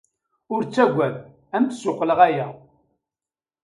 Ur ttaggad, ad am-d-ssuqqleɣ aya.